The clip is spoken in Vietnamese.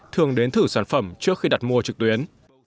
thường đến thử sản phẩm trước khi đặt mua trực tuyến